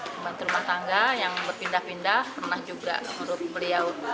pembantu rumah tangga yang berpindah pindah pernah juga menurut beliau